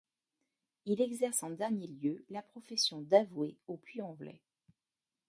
Il exerce en dernier lieu la profession d'avoué au Puy-en-Velay.